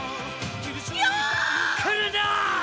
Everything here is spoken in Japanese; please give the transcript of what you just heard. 来るな！